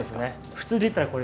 普通でいったらこれ。